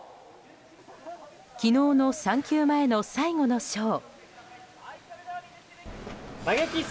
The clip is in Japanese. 昨日の産休前の最後のショー。